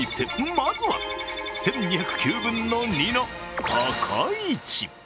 まずは１２０９分の２のココイチ。